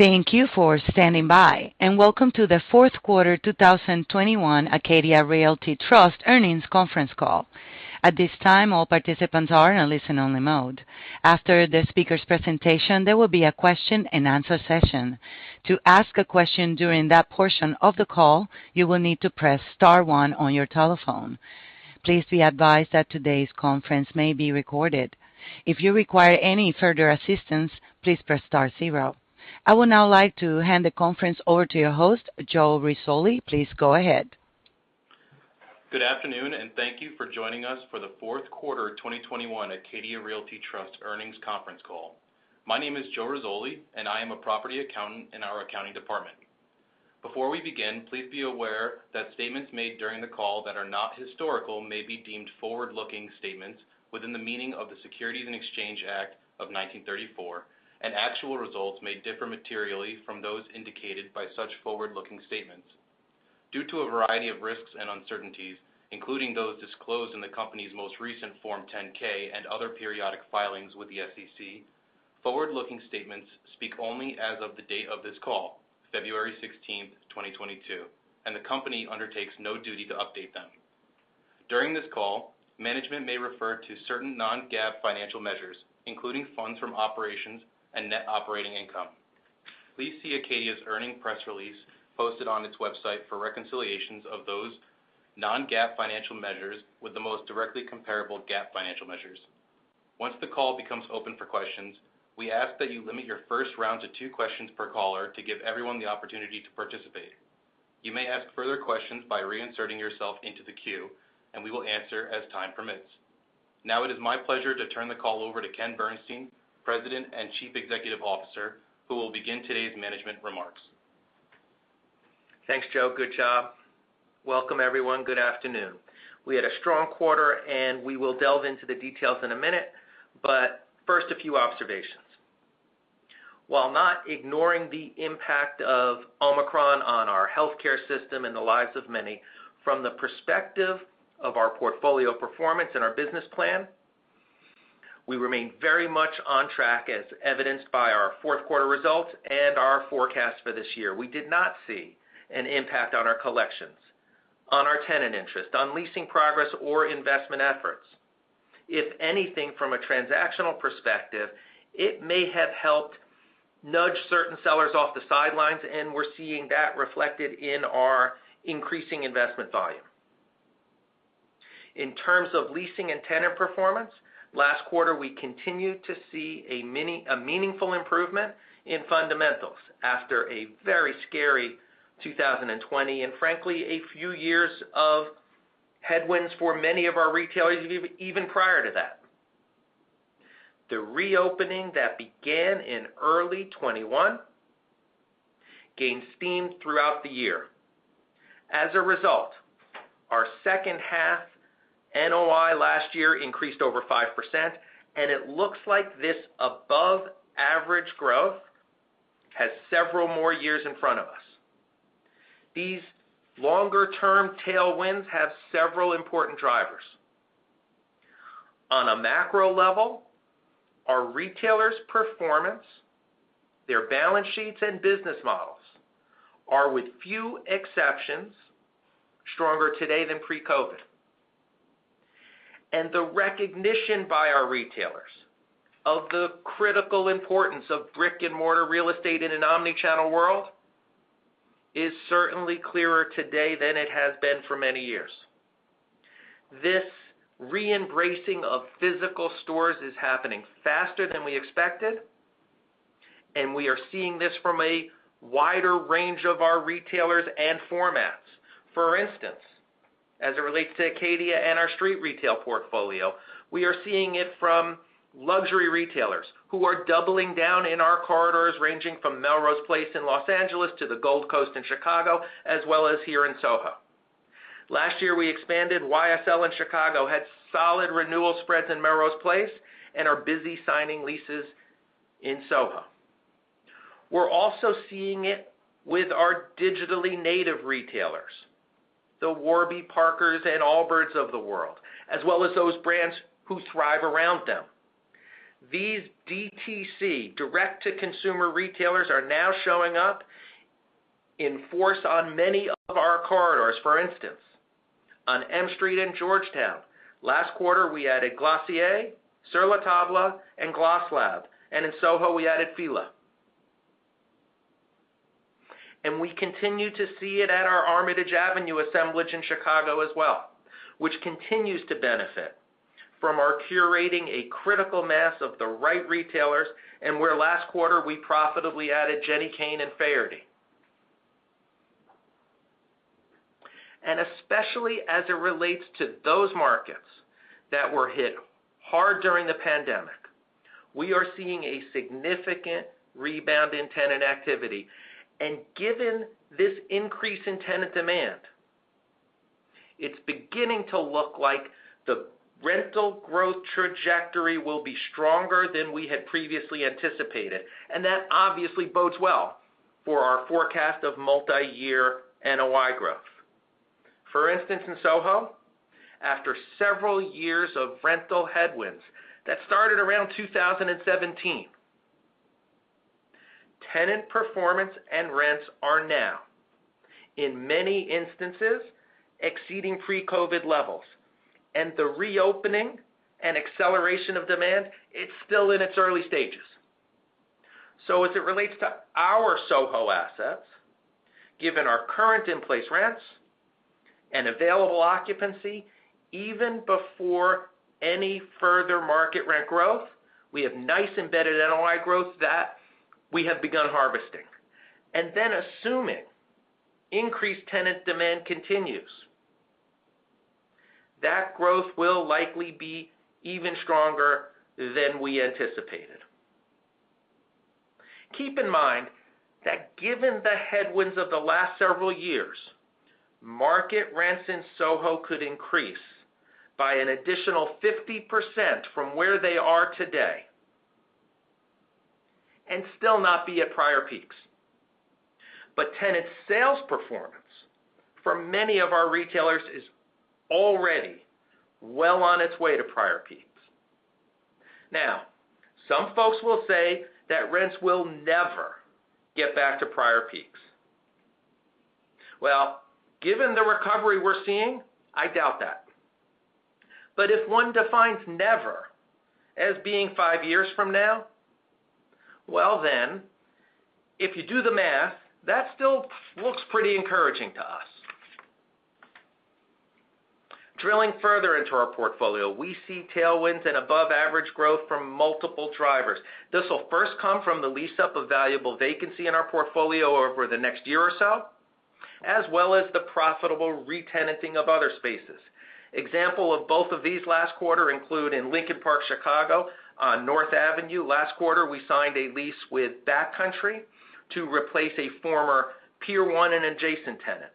Thank you for standing by, and welcome to the fourth quarter 2021 Acadia Realty Trust earnings conference call. At this time, all participants are in a listen only mode. After the speaker's presentation, there will be a question and answer session. To ask a question during that portion of the call, you will need to press star one on your telephone. Please be advised that today's conference may be recorded. If you require any further assistance, please press star zero. I would now like to hand the conference over to your host, Joe Rizzoli. Please go ahead. Good afternoon, and thank you for joining us for the fourth quarter 2021 Acadia Realty Trust earnings conference call. My name is Joe Rizzoli, and I am a property accountant in our accounting department. Before we begin, please be aware that statements made during the call that are not historical may be deemed forward-looking statements within the meaning of the Securities Exchange Act of 1934, and actual results may differ materially from those indicated by such forward-looking statements. Due to a variety of risks and uncertainties, including those disclosed in the company's most recent form 10-K and other periodic filings with the SEC, forward-looking statements speak only as of the date of this call, February 16, 2022, and the company undertakes no duty to update them. During this call, management may refer to certain non-GAAP financial measures, including funds from operations and net operating income. Please see Acadia's earnings press release posted on its website for reconciliations of those non-GAAP financial measures with the most directly comparable GAAP financial measures. Once the call becomes open for questions, we ask that you limit your first round to two questions per caller to give everyone the opportunity to participate. You may ask further questions by reinserting yourself into the queue, and we will answer as time permits. Now it is my pleasure to turn the call over to Ken Bernstein, President and Chief Executive Officer, who will begin today's management remarks. Thanks, Joe. Good job. Welcome, everyone. Good afternoon. We had a strong quarter, and we will delve into the details in a minute, but first, a few observations. While not ignoring the impact of Omicron on our healthcare system and the lives of many, from the perspective of our portfolio performance and our business plan, we remain very much on track as evidenced by our fourth quarter results and our forecast for this year. We did not see an impact on our collections, on our tenant interest, on leasing progress or investment efforts. If anything, from a transactional perspective, it may have helped nudge certain sellers off the sidelines, and we're seeing that reflected in our increasing investment volume. In terms of leasing and tenant performance, last quarter, we continued to see a meaningful improvement in fundamentals after a very scary 2020, and frankly, a few years of headwinds for many of our retailers even prior to that. The reopening that began in early 2021 gained steam throughout the year. As a result, our second half NOI last year increased over 5%, and it looks like this above-average growth has several more years in front of us. These longer-term tailwinds have several important drivers. On a macro level, our retailers' performance, their balance sheets and business models are, with few exceptions, stronger today than pre-COVID. The recognition by our retailers of the critical importance of brick-and-mortar real estate in an omni-channel world is certainly clearer today than it has been for many years. This re-embracing of physical stores is happening faster than we expected, and we are seeing this from a wider range of our retailers and formats. For instance, as it relates to Acadia and our street retail portfolio, we are seeing it from luxury retailers who are doubling down in our corridors, ranging from Melrose Place in Los Angeles to the Gold Coast in Chicago, as well as here in SoHo. Last year, we expanded YSL in Chicago, had solid renewal spreads in Melrose Place, and are busy signing leases in SoHo. We're also seeing it with our digitally native retailers, the Warby Parkers and Allbirds of the world, as well as those brands who thrive around them. These DTC, direct to consumer retailers, are now showing up in force on many of our corridors. For instance, on M Street in Georgetown, last quarter we added Glossier, Sur La Table, and Glosslab. In SoHo, we added Fila. We continue to see it at our Armitage Avenue assemblage in Chicago as well, which continues to benefit from our curating a critical mass of the right retailers, and where last quarter we profitably added Jenni Kayne and Faherty. Especially as it relates to those markets that were hit hard during the pandemic, we are seeing a significant rebound in tenant activity. Given this increase in tenant demand, it's beginning to look like the rental growth trajectory will be stronger than we had previously anticipated, and that obviously bodes well for our forecast of multi-year NOI growth. For instance, in SoHo, after several years of rental headwinds that started around 2017, tenant performance and rents are now in many instances exceeding pre-COVID levels, and the reopening and acceleration of demand is still in its early stages. As it relates to our SoHo assets, given our current in-place rents and available occupancy, even before any further market rent growth, we have nice embedded NOI growth that we have begun harvesting. Then assuming increased tenant demand continues, that growth will likely be even stronger than we anticipated. Keep in mind that given the headwinds of the last several years, market rents in SoHo could increase by an additional 50% from where they are today and still not be at prior peaks. Tenant sales performance for many of our retailers is already well on its way to prior peaks. Now, some folks will say that rents will never get back to prior peaks. Well, given the recovery we're seeing, I doubt that. If one defines never as being five years from now, well then if you do the math, that still looks pretty encouraging to us. Drilling further into our portfolio, we see tailwinds and above-average growth from multiple drivers. This will first come from the lease-up of valuable vacancy in our portfolio over the next year or so, as well as the profitable retenanting of other spaces. Example of both of these last quarter include in Lincoln Park, Chicago on North Avenue. Last quarter, we signed a lease with Backcountry to replace a former Pier 1 and adjacent tenant.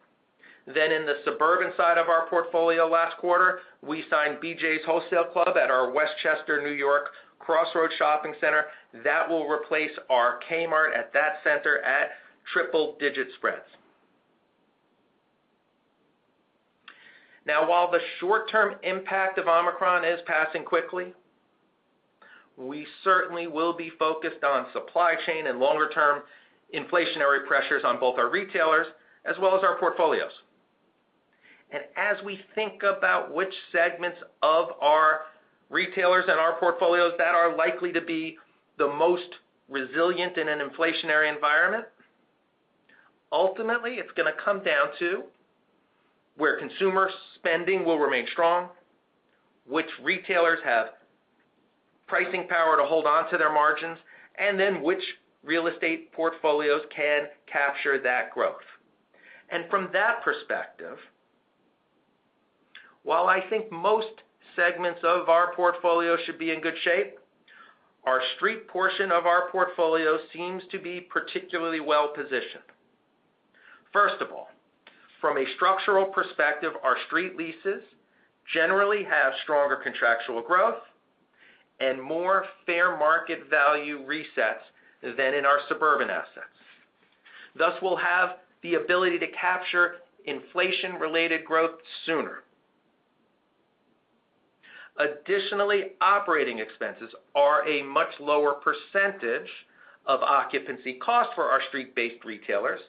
In the suburban side of our portfolio last quarter, we signed BJ's Wholesale Club at our Westchester, New York, Crossroads Shopping Center. That will replace our Kmart at that center at triple-digit spreads. Now, while the short-term impact of Omicron is passing quickly, we certainly will be focused on supply chain and longer-term inflationary pressures on both our retailers as well as our portfolios. As we think about which segments of our retailers and our portfolios that are likely to be the most resilient in an inflationary environment, ultimately it's going to come down to where consumer spending will remain strong, which retailers have pricing power to hold on to their margins, and then which real estate portfolios can capture that growth. From that perspective, while I think most segments of our portfolio should be in good shape, our street portion of our portfolio seems to be particularly well-positioned. First of all, from a structural perspective, our street leases generally have stronger contractual growth and more fair market value resets than in our suburban assets. Thus, we'll have the ability to capture inflation-related growth sooner. Additionally, operating expenses are a much lower percentage of occupancy costs for our street-based retailers,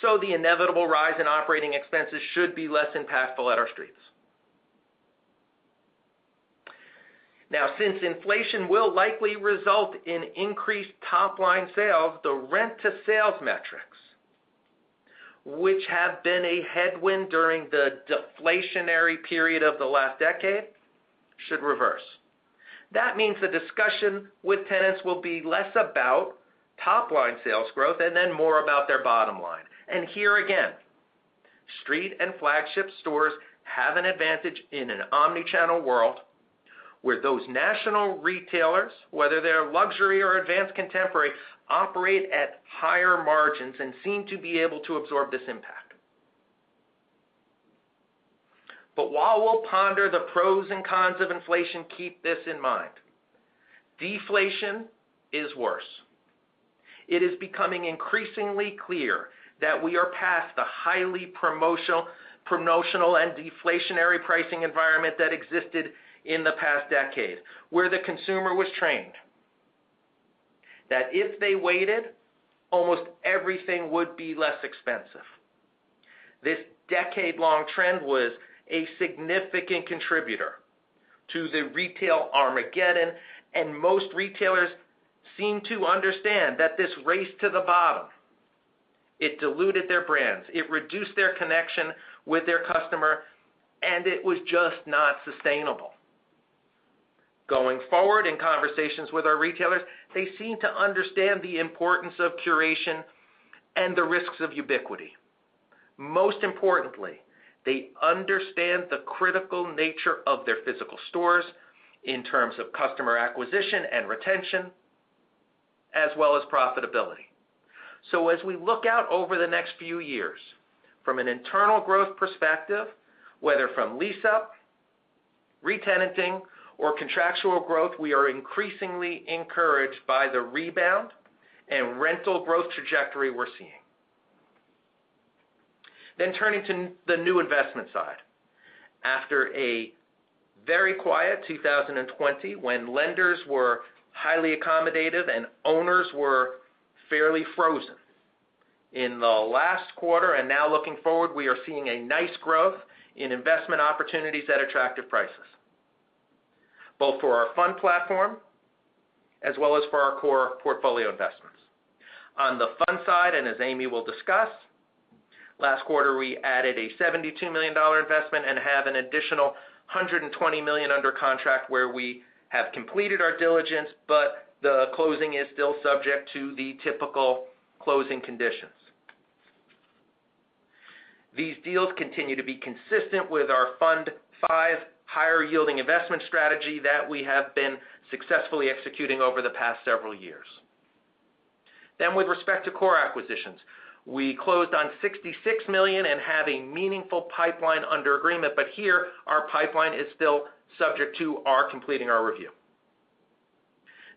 so the inevitable rise in operating expenses should be less impactful at our streets. Now, since inflation will likely result in increased top-line sales, the rent-to-sales metrics, which have been a headwind during the deflationary period of the last decade, should reverse. That means the discussion with tenants will be less about top-line sales growth and then more about their bottom line. Here again, street and flagship stores have an advantage in an omni-channel world where those national retailers, whether they're luxury or advanced contemporary, operate at higher margins and seem to be able to absorb this impact. While we'll ponder the pros and cons of inflation, keep this in mind. Deflation is worse. It is becoming increasingly clear that we are past the highly promotional and deflationary pricing environment that existed in the past decade, where the consumer was trained that if they waited, almost everything would be less expensive. This decade-long trend was a significant contributor to the retail Armageddon, and most retailers seem to understand that this race to the bottom, it diluted their brands, it reduced their connection with their customer, and it was just not sustainable. Going forward in conversations with our retailers, they seem to understand the importance of curation and the risks of ubiquity. Most importantly, they understand the critical nature of their physical stores in terms of customer acquisition and retention as well as profitability. As we look out over the next few years from an internal growth perspective, whether from lease-up, re-tenanting or contractual growth, we are increasingly encouraged by the rebound and rental growth trajectory we're seeing. Turning to the new investment side. After a very quiet 2020 when lenders were highly accommodative and owners were fairly frozen. In the last quarter, and now looking forward, we are seeing a nice growth in investment opportunities at attractive prices, both for our fund platform as well as for our core portfolio investments. On the fund side, and as Amy will discuss, last quarter, we added a $72 million investment and have an additional $120 million under contract where we have completed our diligence, but the closing is still subject to the typical closing conditions. These deals continue to be consistent with our Fund V higher yielding investment strategy that we have been successfully executing over the past several years. With respect to core acquisitions, we closed on $66 million and have a meaningful pipeline under agreement, but here our pipeline is still subject to our completing our review.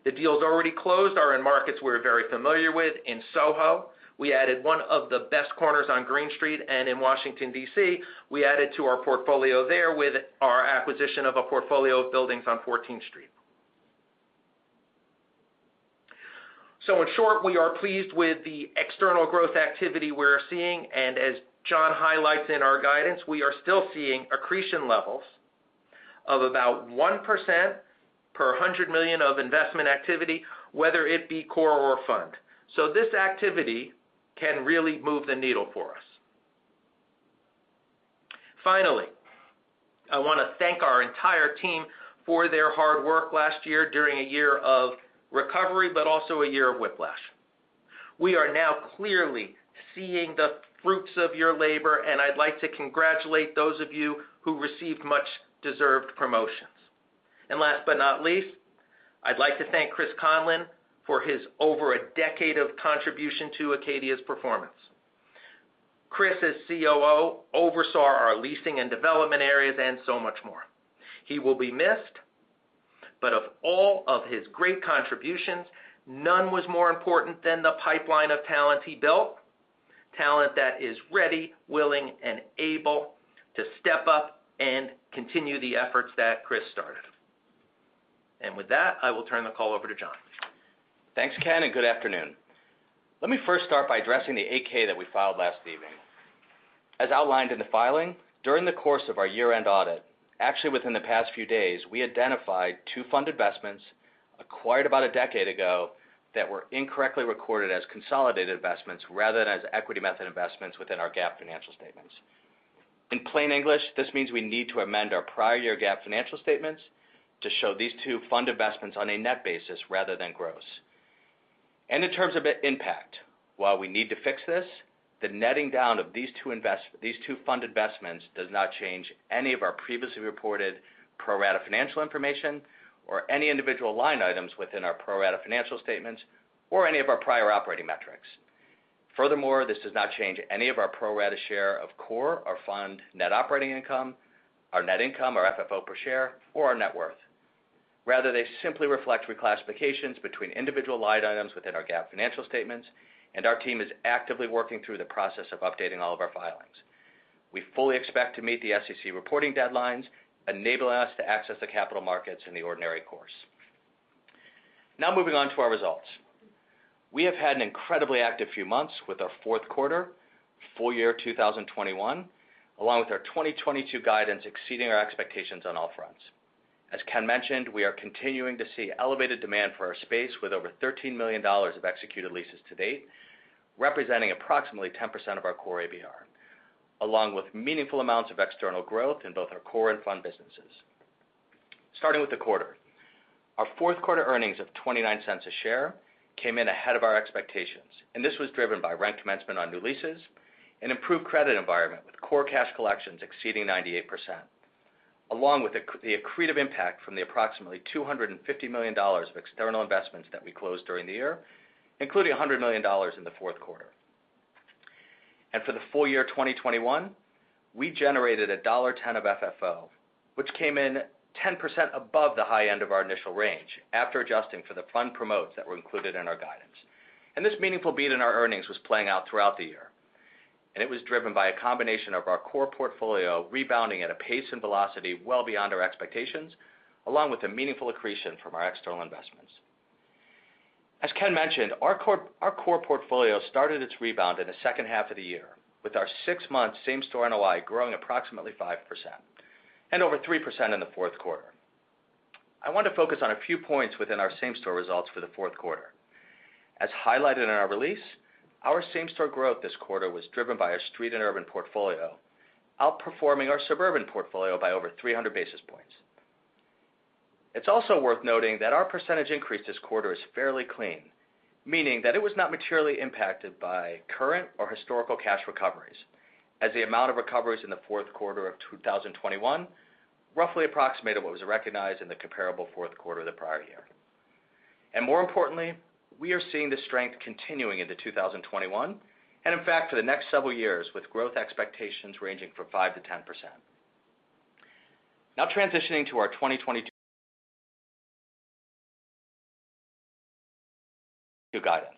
The deals already closed are in markets we're very familiar with. In SoHo, we added one of the best corners on Green Street, and in Washington, D.C., we added to our portfolio there with our acquisition of a portfolio of buildings on Fourteenth Street. In short, we are pleased with the external growth activity we're seeing, and as John highlights in our guidance, we are still seeing accretion levels of about 1% per $100 million of investment activity, whether it be core or fund. This activity can really move the needle for us. Finally, I want to thank our entire team for their hard work last year during a year of recovery, but also a year of whiplash. We are now clearly seeing the fruits of your labor, and I'd like to congratulate those of you who received much deserved promotions. Last but not least, I'd like to thank Chris Conlon for his over a decade of contribution to Acadia's performance. Chris, as COO, oversaw our leasing and development areas and so much more. He will be missed, but of all of his great contributions, none was more important than the pipeline of talent he built, talent that is ready, willing, and able to step up and continue the efforts that Chris started. With that, I will turn the call over to John. Thanks, Ken, and good afternoon. Let me first start by addressing the 8-K that we filed last evening. As outlined in the filing, during the course of our year-end audit, actually within the past few days, we identified two fund investments acquired about a decade ago that were incorrectly recorded as consolidated investments rather than as equity method investments within our GAAP financial statements. In plain English, this means we need to amend our prior year GAAP financial statements to show these two fund investments on a net basis rather than gross. In terms of the impact, while we need to fix this, the netting down of these two fund investments does not change any of our previously reported pro rata financial information or any individual line items within our pro rata financial statements or any of our prior operating metrics. Furthermore, this does not change any of our pro rata share of core or fund net operating income, our net income, our FFO per share, or our net worth. Rather, they simply reflect reclassifications between individual line items within our GAAP financial statements, and our team is actively working through the process of updating all of our filings. We fully expect to meet the SEC reporting deadlines, enabling us to access the capital markets in the ordinary course. Now moving on to our results. We have had an incredibly active few months with our fourth quarter, full year 2021, along with our 2022 guidance exceeding our expectations on all fronts. As Ken mentioned, we are continuing to see elevated demand for our space, with over $13 million of executed leases to date, representing approximately 10% of our core ABR, along with meaningful amounts of external growth in both our core and fund businesses. Starting with the quarter, our fourth quarter earnings of $0.29 a share came in ahead of our expectations, and this was driven by rent commencement on new leases and improved credit environment, with core cash collections exceeding 98%, along with the accretive impact from the approximately $250 million of external investments that we closed during the year, including $100 million in the fourth quarter. For the full year 2021, we generated $1.10 of FFO, which came in 10% above the high end of our initial range after adjusting for the fund promotes that were included in our guidance. This meaningful beat in our earnings was playing out throughout the year, and it was driven by a combination of our core portfolio rebounding at a pace and velocity well beyond our expectations, along with the meaningful accretion from our external investments. As Ken mentioned, our core portfolio started its rebound in the second half of the year with our six-month same-store NOI growing approximately 5% and over 3% in the fourth quarter. I want to focus on a few points within our same-store results for the fourth quarter. As highlighted in our release, our same-store growth this quarter was driven by our street and urban portfolio outperforming our suburban portfolio by over 300 basis points. It's also worth noting that our percentage increase this quarter is fairly clean, meaning that it was not materially impacted by current or historical cash recoveries as the amount of recoveries in the fourth quarter of 2021 roughly approximated what was recognized in the comparable fourth quarter of the prior year. More importantly, we are seeing the strength continuing into 2022, and in fact, for the next several years, with growth expectations ranging from 5%-10%. Now transitioning to our 2022 guidance.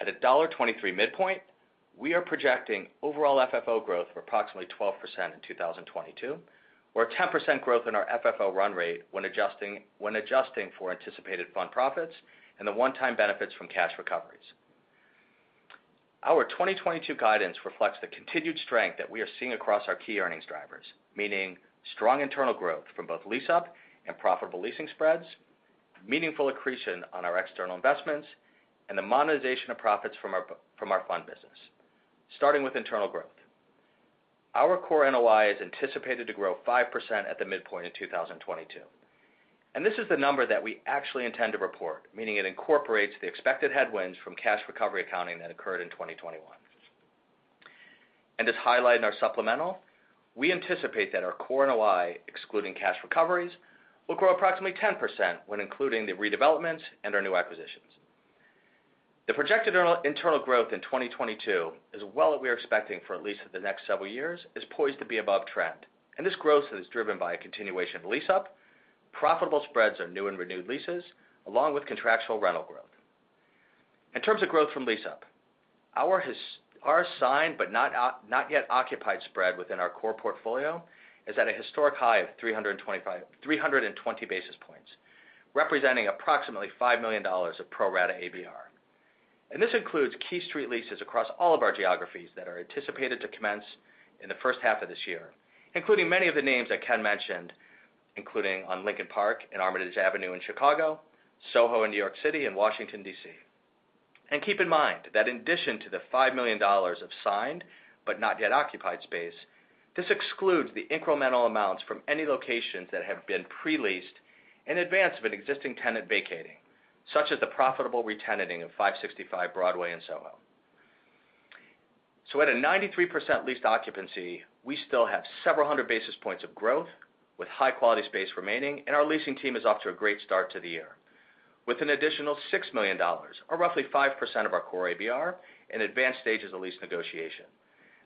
At a $1.23 midpoint, we are projecting overall FFO growth of approximately 12% in 2022, or a 10% growth in our FFO run rate when adjusting for anticipated fund profits and the one-time benefits from cash recoveries. Our 2022 guidance reflects the continued strength that we are seeing across our key earnings drivers, meaning strong internal growth from both lease up and profitable leasing spreads, meaningful accretion on our external investments, and the monetization of profits from our fund business. Starting with internal growth. Our core NOI is anticipated to grow 5% at the midpoint in 2022. This is the number that we actually intend to report, meaning it incorporates the expected headwinds from cash recovery accounting that occurred in 2021. As highlighted in our supplemental, we anticipate that our core NOI, excluding cash recoveries, will grow approximately 10% when including the redevelopments and our new acquisitions. The projected internal growth in 2022, as well that we are expecting for at least the next several years, is poised to be above trend, and this growth is driven by a continuation of lease up, profitable spreads on new and renewed leases, along with contractual rental growth. In terms of growth from lease up, our signed but not yet occupied spread within our core portfolio is at a historic high of 325 basis points, representing approximately $5 million of pro rata ABR. This includes key street leases across all of our geographies that are anticipated to commence in the first half of this year, including many of the names that Ken mentioned, including on Lincoln Park and Armitage Avenue in Chicago, Soho in New York City, and Washington, D.C. Keep in mind that in addition to the $5 million of signed but not yet occupied space, this excludes the incremental amounts from any locations that have been pre-leased in advance of an existing tenant vacating, such as the profitable re-tenanting of 565 Broadway in Soho. At a 93% leased occupancy, we still have several hundred basis points of growth with high-quality space remaining, and our leasing team is off to a great start to the year with an additional $6 million, or roughly 5% of our core ABR in advanced stages of lease negotiation.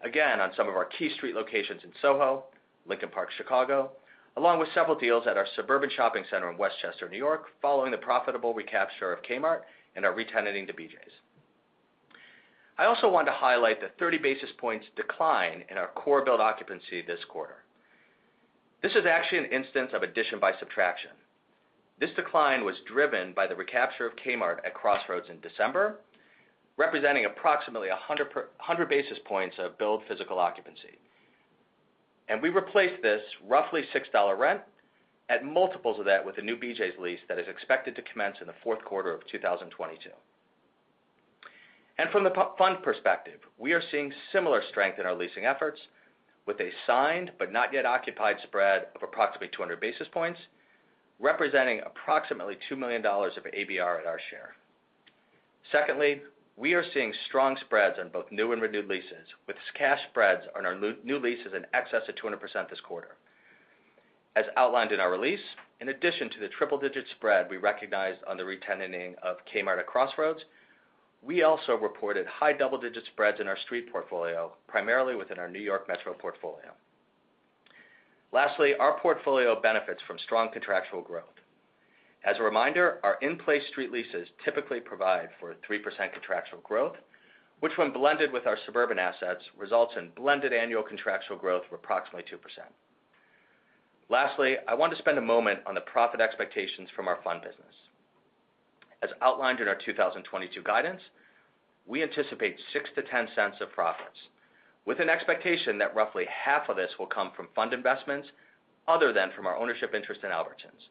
Again, on some of our key street locations in Soho, Lincoln Park, Chicago, along with several deals at our suburban shopping center in Westchester, New York, following the profitable recapture of Kmart and our re-tenanting to BJ's. I also want to highlight the 30 basis points decline in our core billed occupancy this quarter. This is actually an instance of addition by subtraction. This decline was driven by the recapture of Kmart at Cortlandt Crossing in December, representing approximately 100 basis points of billed physical occupancy. We replaced this roughly $6 rent at multiples of that with the new BJ's lease that is expected to commence in the fourth quarter of 2022. From the OP Fund perspective, we are seeing similar strength in our leasing efforts with a signed but not yet occupied spread of approximately 200 basis points, representing approximately $2 million of ABR at our share. Secondly, we are seeing strong spreads on both new and renewed leases, with cash spreads on our new leases in excess of 200% this quarter. As outlined in our release, in addition to the triple-digit spread we recognized on the re-tenanting of Kmart at Crossroads, we also reported high double-digit spreads in our street portfolio, primarily within our New York Metro portfolio. Lastly, our portfolio benefits from strong contractual growth. As a reminder, our in-place street leases typically provide for 3% contractual growth, which when blended with our suburban assets, results in blended annual contractual growth of approximately 2%. Lastly, I want to spend a moment on the profit expectations from our fund business. As outlined in our 2022 guidance, we anticipate $0.06-$0.10 of profits, with an expectation that roughly half of this will come from fund investments other than from our ownership interest in Albertsons.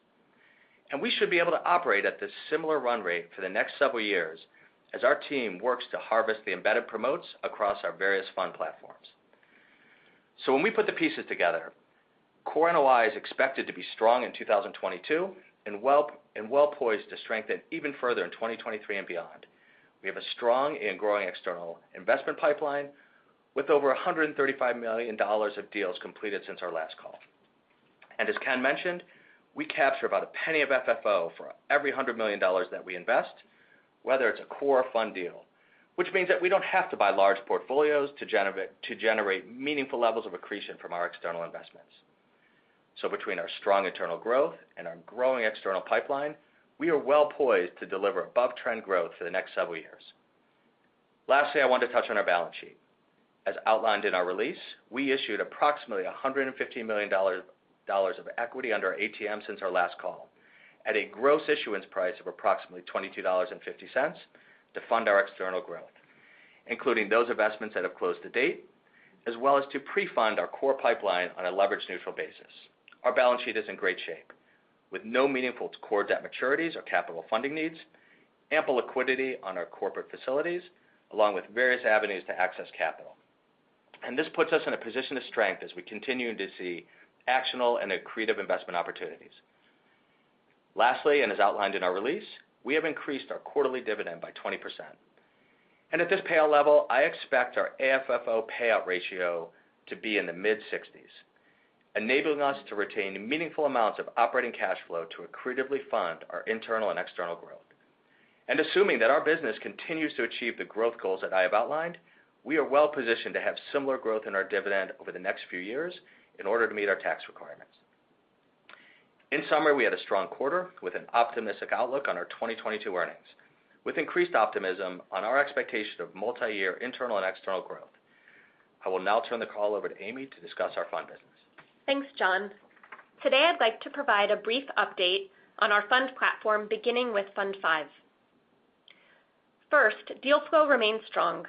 We should be able to operate at this similar run rate for the next several years as our team works to harvest the embedded promotes across our various fund platforms. When we put the pieces together, core NOI is expected to be strong in 2022 and well-poised to strengthen even further in 2023 and beyond. We have a strong and growing external investment pipeline with over $135 million of deals completed since our last call. As Ken mentioned, we capture about a penny of FFO for every $100 million that we invest, whether it's a core fund deal, which means that we don't have to buy large portfolios to generate meaningful levels of accretion from our external investments. Between our strong internal growth and our growing external pipeline, we are well poised to deliver above-trend growth for the next several years. Lastly, I want to touch on our balance sheet. As outlined in our release, we issued approximately $150 million of equity under our ATM since our last call at a gross issuance price of approximately $22.50 to fund our external growth, including those investments that have closed to date, as well as to pre-fund our core pipeline on a leverage neutral basis. Our balance sheet is in great shape with no meaningful core debt maturities or capital funding needs, ample liquidity on our corporate facilities, along with various avenues to access capital. This puts us in a position of strength as we continue to see actionable and accretive investment opportunities. Lastly, and as outlined in our release, we have increased our quarterly dividend by 20%. At this payout level, I expect our AFFO payout ratio to be in the mid-60s, enabling us to retain meaningful amounts of operating cash flow to accretively fund our internal and external growth. Assuming that our business continues to achieve the growth goals that I have outlined, we are well positioned to have similar growth in our dividend over the next few years in order to meet our tax requirements. In summary, we had a strong quarter with an optimistic outlook on our 2022 earnings, with increased optimism on our expectation of multi-year internal and external growth. I will now turn the call over to Amy to discuss our fund business. Thanks, John. Today I'd like to provide a brief update on our fund platform, beginning with Fund V. First, deal flow remains strong.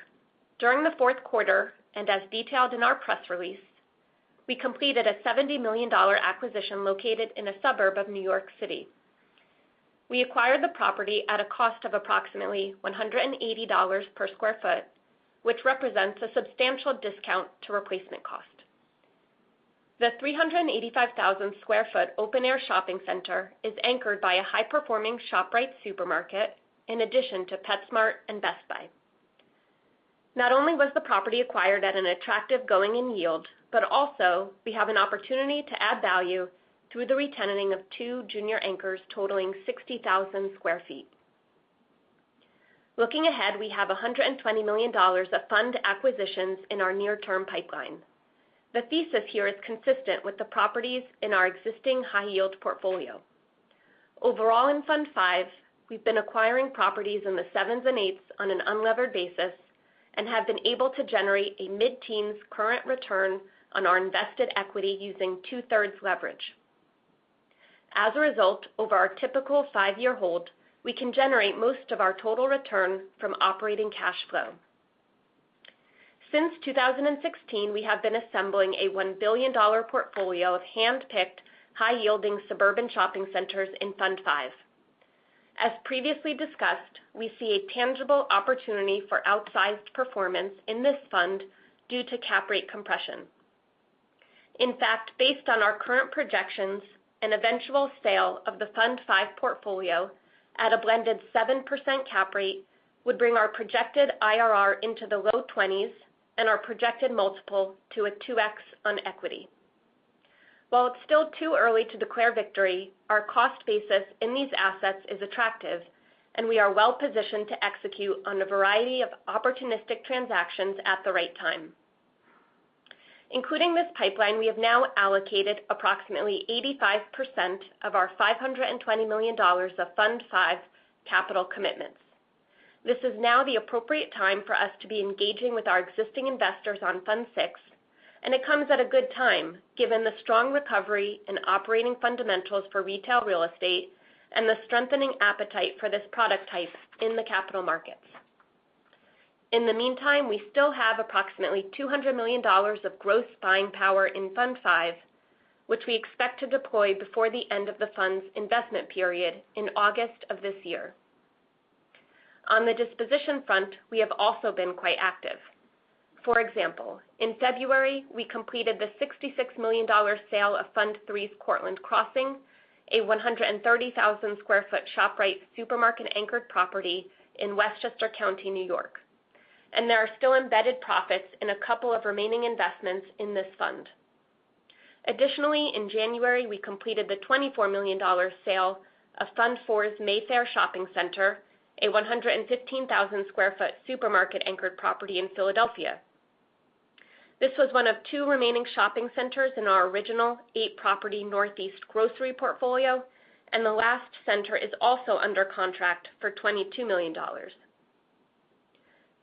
During the fourth quarter, and as detailed in our press release, we completed a $70 million acquisition located in a suburb of New York City. We acquired the property at a cost of approximately $180 per sq ft, which represents a substantial discount to replacement cost. The 385,000 sq ft open air shopping center is anchored by a high-performing ShopRite supermarket in addition to PetSmart and Best Buy. Not only was the property acquired at an attractive going-in yield, but also we have an opportunity to add value through the retenanting of two junior anchors totaling 60,000 sq ft. Looking ahead, we have $120 million of fund acquisitions in our near-term pipeline. The thesis here is consistent with the properties in our existing high yield portfolio. Overall, in Fund V, we've been acquiring properties in the seven's and eight's on an unlevered basis and have been able to generate a mid-teens current return on our invested equity using 2/3 leverage. As a result, over our typical five-year hold, we can generate most of our total return from operating cash flow. Since 2016, we have been assembling a $1 billion portfolio of handpicked, high-yielding suburban shopping centers in Fund V. As previously discussed, we see a tangible opportunity for outsized performance in this fund due to cap rate compression. In fact, based on our current projections, an eventual sale of the Fund V portfolio at a blended 7% cap rate would bring our projected IRR into the low 20s and our projected multiple to a 2x on equity. While it's still too early to declare victory, our cost basis in these assets is attractive and we are well positioned to execute on a variety of opportunistic transactions at the right time. Including this pipeline, we have now allocated approximately 85% of our $520 million of Fund V capital commitments. This is now the appropriate time for us to be engaging with our existing investors on Fund VI, and it comes at a good time, given the strong recovery in operating fundamentals for retail real estate and the strengthening appetite for this product type in the capital markets. In the meantime, we still have approximately $200 million of gross buying power in Fund V, which we expect to deploy before the end of the fund's investment period in August of this year. On the disposition front, we have also been quite active. For example, in February, we completed the $66 million sale of Fund III's Cortlandt Crossing, a 130,000 sq ft ShopRite supermarket anchored property in Westchester County, New York. There are still embedded profits in a couple of remaining investments in this fund. Additionally, in January, we completed the $24 million sale of Fund IV's Mayfair Shopping Center, a 115,000 sq ft supermarket anchored property in Philadelphia. This was one of two remaining shopping centers in our original eight-property Northeast grocery portfolio, and the last center is also under contract for $22 million.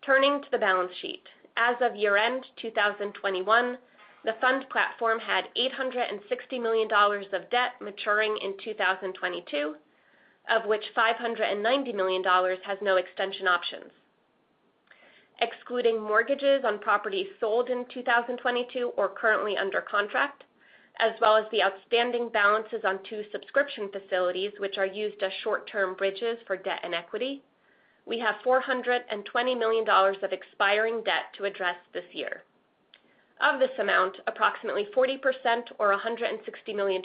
Turning to the balance sheet. As of year-end 2021, the fund platform had $860 million of debt maturing in 2022, of which $590 million has no extension options. Excluding mortgages on properties sold in 2022 or currently under contract, as well as the outstanding balances on two subscription facilities which are used as short-term bridges for debt and equity, we have $420 million of expiring debt to address this year. Of this amount, approximately 40% or $160 million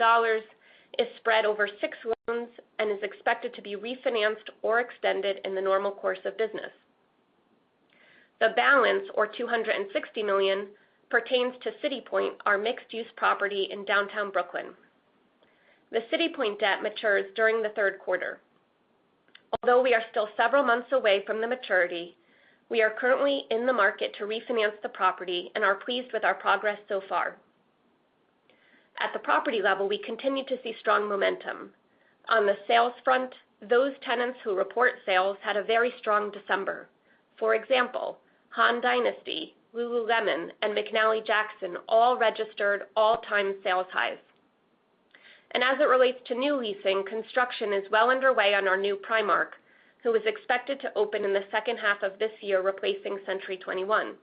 is spread over six loans and is expected to be refinanced or extended in the normal course of business. The balance, or $260 million, pertains to City Point, our mixed-use property in downtown Brooklyn. The City Point debt matures during the third quarter. Although we are still several months away from the maturity, we are currently in the market to refinance the property and are pleased with our progress so far. At the property level, we continue to see strong momentum. On the sales front, those tenants who report sales had a very strong December. For example, Han Dynasty, Lululemon, and McNally Jackson all registered all-time sales highs. As it relates to new leasing, construction is well underway on our new Primark, who is expected to open in the second half of this year, replacing Century 21.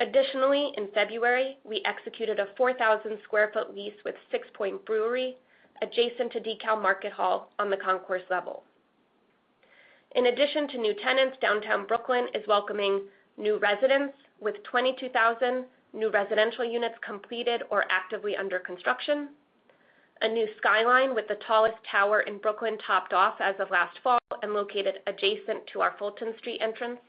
Additionally, in February, we executed a 4,000 sq ft lease with Sixpoint Brewery adjacent to DeKalb Market Hall on the concourse level. In addition to new tenants, downtown Brooklyn is welcoming new residents with 22,000 new residential units completed or actively under construction. A new skyline with the tallest tower in Brooklyn topped off as of last fall and located adjacent to our Fulton Street entrance.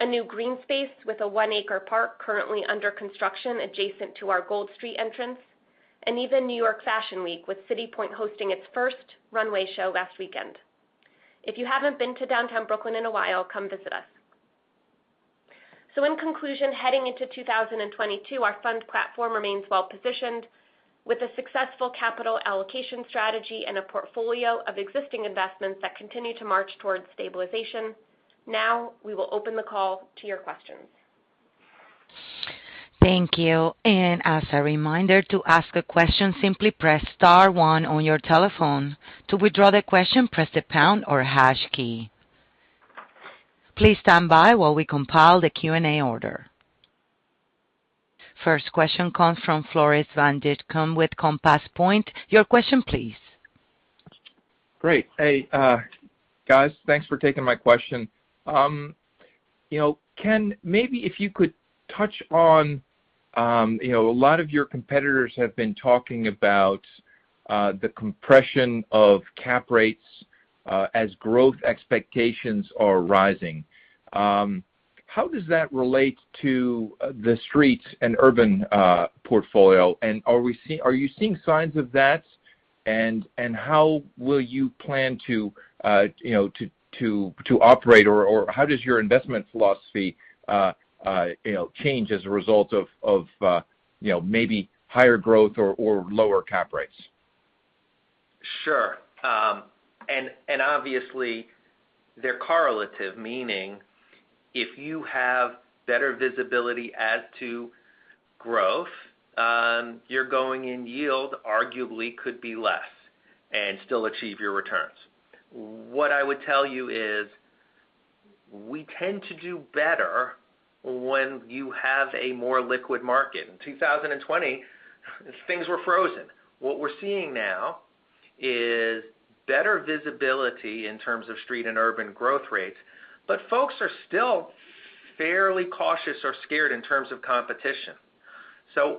A new green space with a one-acre park currently under construction adjacent to our Gold Street entrance, and even New York Fashion Week, with City Point hosting its first runway show last weekend. If you haven't been to Downtown Brooklyn in a while, come visit us. In conclusion, heading into 2022, our fund platform remains well-positioned, with a successful capital allocation strategy and a portfolio of existing investments that continue to march towards stabilization. Now we will open the call to your questions. Thank you. First question comes from Floris van Dijkum with Compass Point. Your question, please. Great. Hey, guys, thanks for taking my question. You know, Ken, maybe if you could touch on you know, a lot of your competitors have been talking about the compression of cap rates as growth expectations are rising. How does that relate to the streets and urban portfolio? And are you seeing signs of that? And how will you plan to you know to operate or how does your investment philosophy you know change as a result of you know maybe higher growth or lower cap rates? Sure. Obviously they're correlative, meaning if you have better visibility as to growth, your going-in yield arguably could be less and still achieve your returns. What I would tell you is we tend to do better when you have a more liquid market. In 2020, things were frozen. What we're seeing now is better visibility in terms of street and urban growth rates, but folks are still fairly cautious or scared in terms of competition.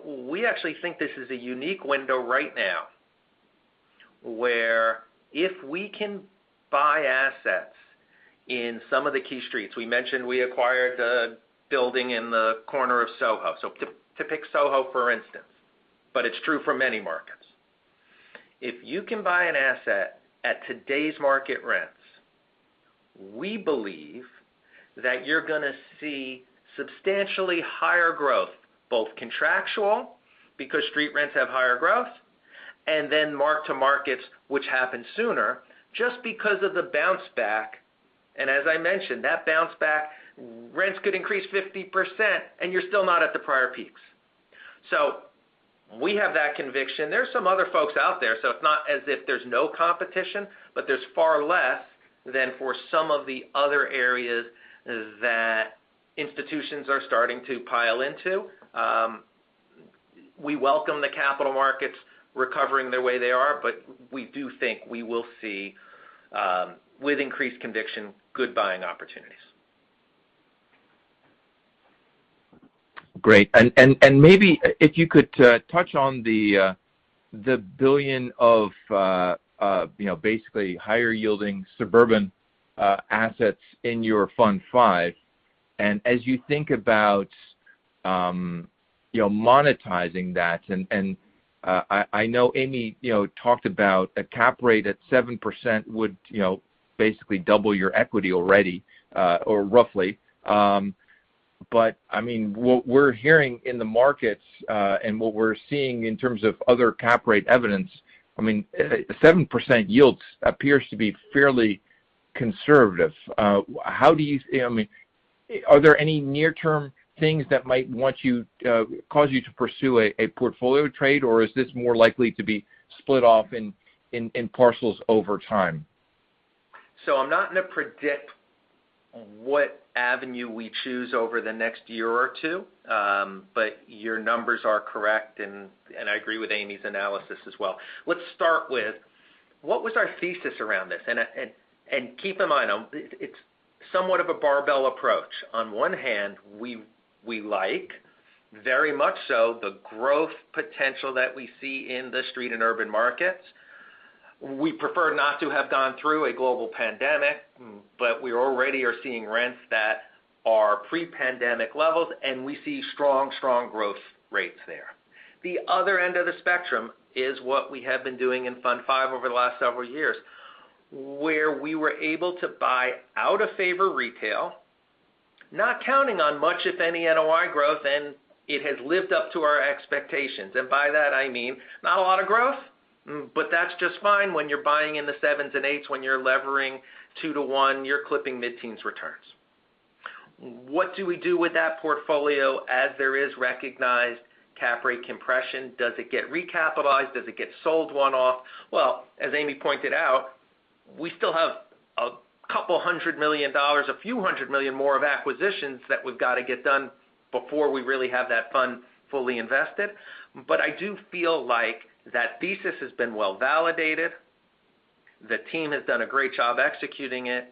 We actually think this is a unique window right now, where if we can buy assets in some of the key streets we mentioned we acquired a building in the corner of Soho, so to pick Soho, for instance, but it's true for many markets. If you can buy an asset at today's market rents, we believe that you're gonna see substantially higher growth, both contractual, because street rents have higher growth, and then mark-to-markets which happen sooner just because of the bounce back. As I mentioned, that bounce back, rents could increase 50% and you're still not at the prior peaks. We have that conviction. There are some other folks out there, so it's not as if there's no competition, but there's far less than for some of the other areas that institutions are starting to pile into. We welcome the capital markets recovering the way they are, but we do think we will see, with increased conviction, good buying opportunities. Great. Maybe if you could touch on the $1 billion of you know basically higher yielding suburban assets in your Fund V. As you think about you know monetizing that and I know Amy you know talked about a cap rate at 7% would you know basically double your equity already or roughly. But I mean what we're hearing in the markets and what we're seeing in terms of other cap rate evidence I mean 7% yields appears to be fairly conservative. How do you I mean are there any near-term things that might cause you to pursue a portfolio trade or is this more likely to be split off in parcels over time? I'm not gonna predict what avenue we choose over the next year or two. Your numbers are correct and I agree with Amy's analysis as well. Let's start with what was our thesis around this? Keep in mind, it's somewhat of a barbell approach. On one hand, we like very much so the growth potential that we see in the street and urban markets. We prefer not to have gone through a global pandemic, but we already are seeing rents that are pre-pandemic levels, and we see strong growth rates there. The other end of the spectrum is what we have been doing in fund five over the last several years, where we were able to buy out of favor retail, not counting on much, if any, NOI growth, and it has lived up to our expectations. By that I mean, not a lot of growth, but that's just fine when you're buying in the seven's and eight's. When you're levering two to one, you're clipping mid-teens returns. What do we do with that portfolio as there is recognized cap rate compression? Does it get recapitalized? Does it get sold one-off? Well, as Amy pointed out, we still have a couple hundred million dollars, a few hundred million more of acquisitions that we've got to get done before we really have that fund fully invested. But I do feel like that thesis has been well-validated. The team has done a great job executing it,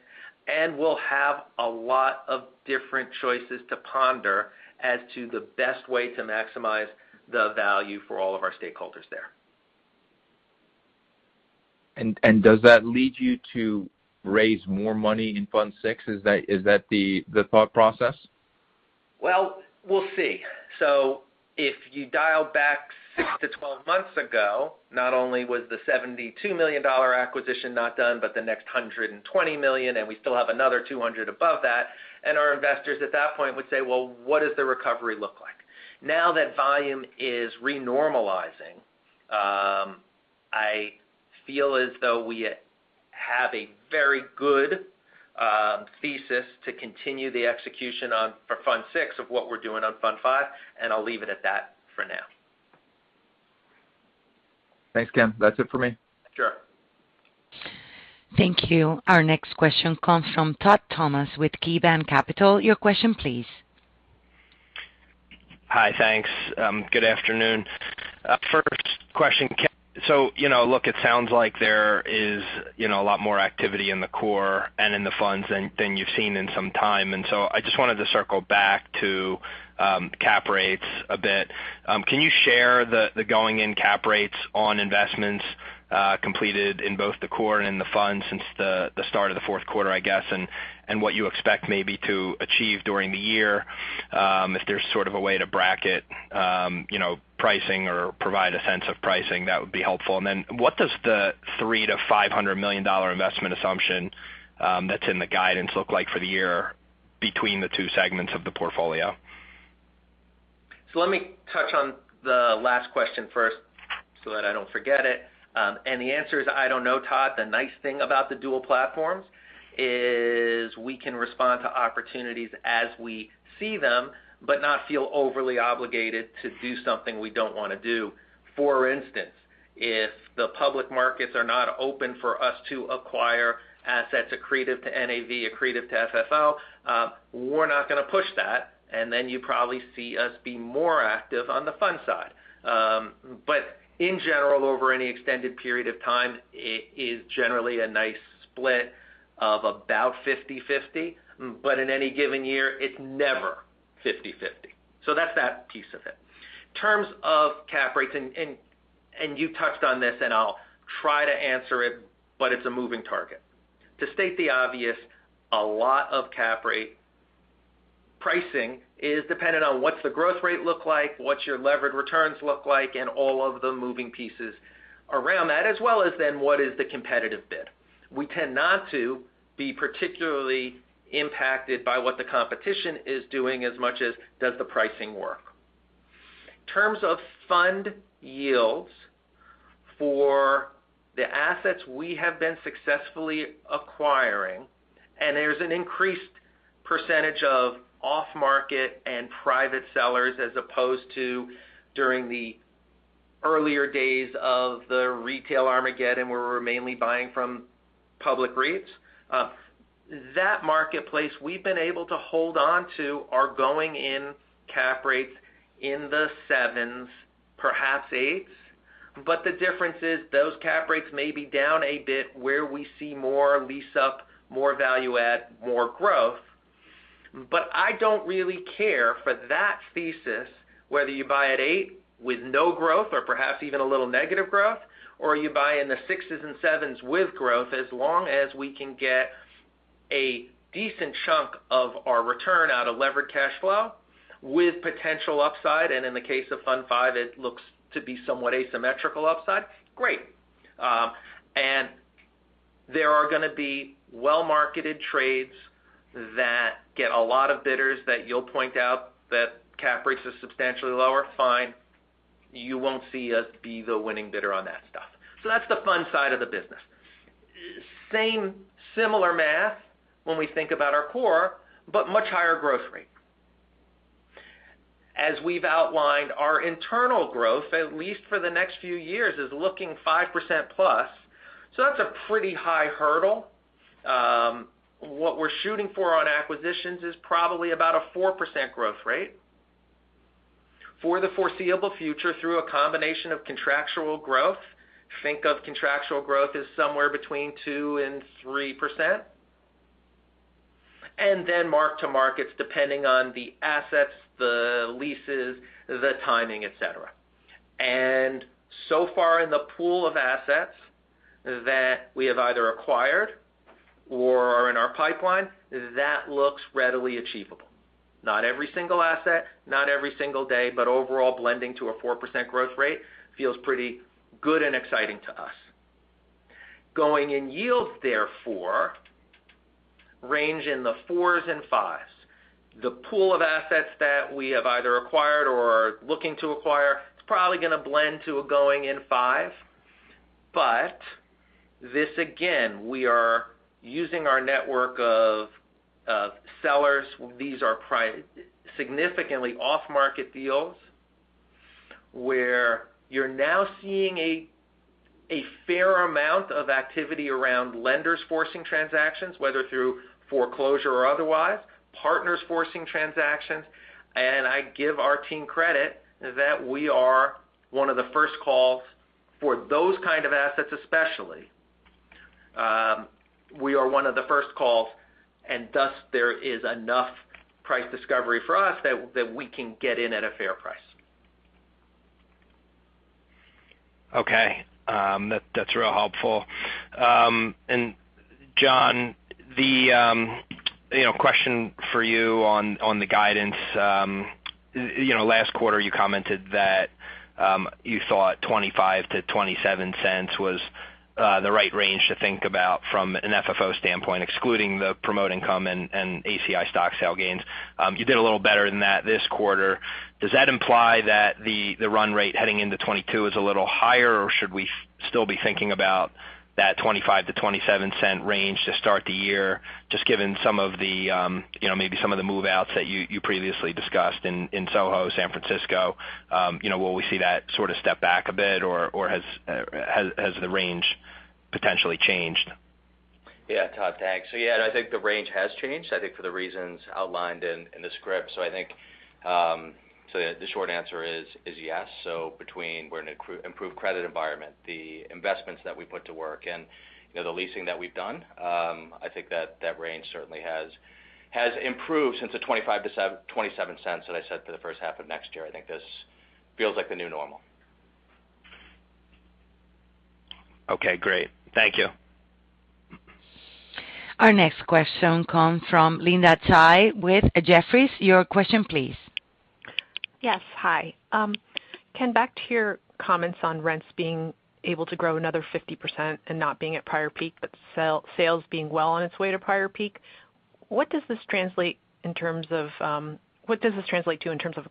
and we'll have a lot of different choices to ponder as to the best way to maximize the value for all of our stakeholders there. Does that lead you to raise more money in Fund VI? Is that the thought process? Well, we'll see. If you dial back six to 12 months ago, not only was the $72 million acquisition not done, but the next $120 million, and we still have another $200 above that, and our investors at that point would say, "Well, what does the recovery look like?" Now that volume is renormalizing, I feel as though we have a very good, thesis to continue the execution on, for Fund VI of what we're doing on Fund V, and I'll leave it at that for now. Thanks, Ken. That's it for me. Sure. Thank you. Our next question comes from Todd Thomas with KeyBanc Capital. Your question please. Hi. Thanks. Good afternoon. First question, Ken. You know, look, it sounds like there is, you know, a lot more activity in the core and in the funds than you've seen in some time. I just wanted to circle back to cap rates a bit. Can you share the going-in cap rates on investments completed in both the core and in the funds since the start of the fourth quarter, I guess, and what you expect maybe to achieve during the year? If there's sort of a way to bracket, you know, pricing or provide a sense of pricing, that would be helpful. Then what does the $300 million-$500 million investment assumption that's in the guidance look like for the year between the two segments of the portfolio? Let me touch on the last question first so that I don't forget it. The answer is, I don't know, Todd. The nice thing about the dual platforms is we can respond to opportunities as we see them, but not feel overly obligated to do something we don't wanna do. For instance, if the public markets are not open for us to acquire assets accretive to NAV, accretive to FFO, we're not gonna push that, and then you probably see us be more active on the fund side. In general, over any extended period of time, it is generally a nice split of about 50/50, but in any given year, it's never 50/50. That's that piece of it. In terms of cap rates, and you touched on this, and I'll try to answer it, but it's a moving target. To state the obvious, a lot of cap rate pricing is dependent on what's the growth rate look like, what's your levered returns look like, and all of the moving pieces around that, as well as then what is the competitive bid. We tend not to be particularly impacted by what the competition is doing as much as does the pricing work. In terms of fund yields for the assets we have been successfully acquiring, and there's an increased percentage of off-market and private sellers as opposed to during the earlier days of the retail Armageddon, where we were mainly buying from public REITs. That marketplace we've been able to hold on to are going in cap rates in the seven's, perhaps eight's. The difference is those cap rates may be down a bit where we see more lease up, more value add, more growth. I don't really care for that thesis, whether you buy at eight with no growth or perhaps even a little negative growth, or you buy in the six's and seven's with growth, as long as we can get a decent chunk of our return out of levered cash flow with potential upside, and in the case of Fund V, it looks to be somewhat asymmetrical upside, great. There are gonna be well-marketed trades that get a lot of bidders that you'll point out that cap rates are substantially lower. Fine. You won't see us be the winning bidder on that stuff. That's the fund side of the business. Same similar math when we think about our core, but much higher growth rate. As we've outlined, our internal growth, at least for the next few years, is looking 5%+. That's a pretty high hurdle. What we're shooting for on acquisitions is probably about a 4% growth rate. For the foreseeable future, through a combination of contractual growth, think of contractual growth as somewhere between 2%-3%, and then mark-to-markets depending on the assets, the leases, the timing, et cetera. Far in the pool of assets that we have either acquired or are in our pipeline, that looks readily achievable. Not every single asset, not every single day, but overall blending to a 4% growth rate feels pretty good and exciting to us. Going in yields therefore range in the four's and five's. The pool of assets that we have either acquired or are looking to acquire, it's probably gonna blend to a going in five. This, again, we are using our network of sellers. These are significantly off-market deals, where you're now seeing a fair amount of activity around lenders forcing transactions, whether through foreclosure or otherwise, partners forcing transactions, and I give our team credit that we are one of the first calls for those kind of assets especially. We are one of the first calls, and thus there is enough price discovery for us that we can get in at a fair price. Okay. That's real helpful. John, you know, question for you on the guidance. You know, last quarter you commented that you thought $0.25-$0.27 was the right range to think about from an FFO standpoint, excluding the promote income and ACI stock sale gains. You did a little better than that this quarter. Does that imply that the run rate heading into 2022 is a little higher, or should we still be thinking about that $0.25-$0.27 range to start the year, just given some of the, you know, maybe some of the move-outs that you previously discussed in Soho, San Francisco? You know, will we see that sort of step back a bit or has the range potentially changed? Yeah. Todd, thanks. Yeah, I think the range has changed, I think for the reasons outlined in the script. The short answer is yes. Between, we're in an improved credit environment, the investments that we put to work, and, you know, the leasing that we've done, I think that range certainly has improved since the $0.25-$0.27 that I set for the first half of next year. I think this feels like the new normal. Okay, great. Thank you. Our next question comes from Linda Tsai with Jefferies. Your question please. Yes. Hi. Ken, back to your comments on rents being able to grow another 50% and not being at prior peak, but sales being well on its way to prior peak. What does this translate to in terms of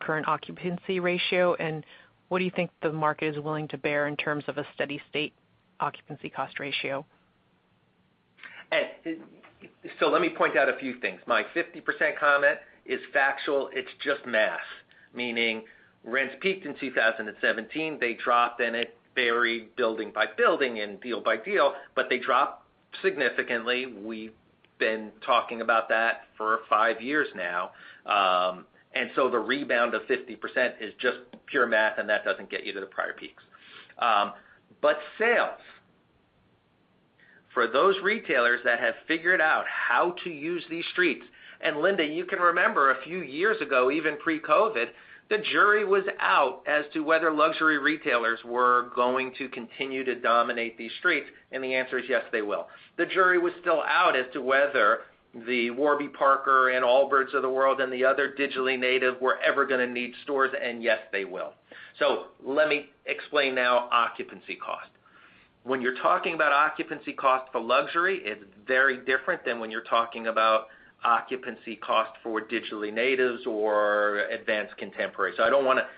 current occupancy ratio, and what do you think the market is willing to bear in terms of a steady state occupancy cost ratio? Let me point out a few things. My 50% comment is factual, it's just math. Meaning rents peaked in 2017, they dropped, and it varied building by building and deal by deal, but they dropped significantly. We've been talking about that for five years now. The rebound of 50% is just pure math, and that doesn't get you to the prior peaks. But sales for those retailers that have figured out how to use these streets, and Linda, you can remember a few years ago, even pre-COVID, the jury was out as to whether luxury retailers were going to continue to dominate these streets, and the answer is yes, they will. The jury was still out as to whether the Warby Parker and Allbirds of the world and the other digitally native were ever gonna need stores, and yes, they will. Let me explain now occupancy cost. When you're talking about occupancy cost for luxury, it's very different than when you're talking about occupancy cost for digitally natives or advanced contemporaries. I don't wanna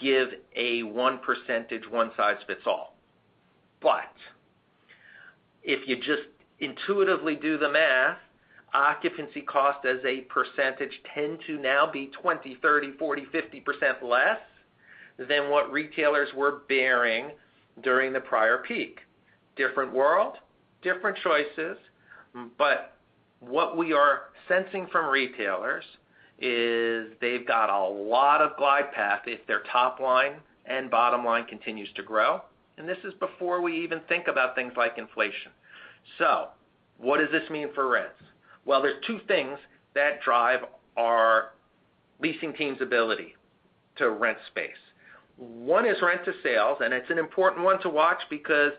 give a one-size-fits-all. If you just intuitively do the math, occupancy cost as a percentage tend to now be 20, 30, 40, 50% less than what retailers were bearing during the prior peak. Different world, different choices, but what we are sensing from retailers is they've got a lot of glide path if their top line and bottom line continues to grow, and this is before we even think about things like inflation. What does this mean for rents? Well, there's two things that drive our leasing team's ability to rent space. One is rent to sales, and it's an important one to watch because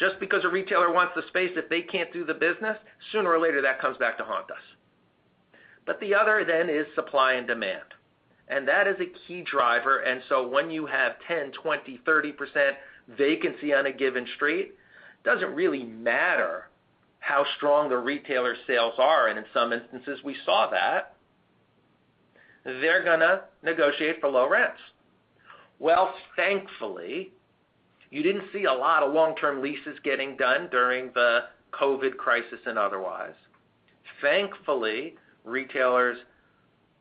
just because a retailer wants the space, if they can't do the business, sooner or later, that comes back to haunt us. The other then is supply and demand, and that is a key driver. When you have 10%, 20%, 30% vacancy on a given street, it doesn't really matter how strong the retailer sales are, and in some instances, we saw that they're gonna negotiate for low rents. Well, thankfully, you didn't see a lot of long-term leases getting done during the COVID crisis and otherwise. Thankfully, retailers